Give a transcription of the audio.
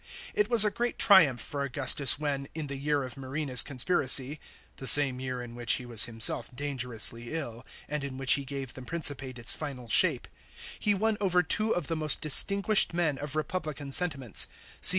It was a great triumph fur Augustus when, in the year of Murena's conspiracy — the same year in which he was him self dangerously ill, and in which he gave the Principate its final shape — he won over two of the most distinguished men of repub lican sentiments, Cn.